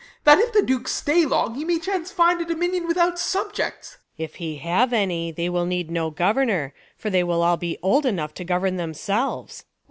That if the Duke stay long, he may chance find A dominion Avithout subjects. Luc. If he have any, they will need No governor, for they will all be old Enough to govern themselves.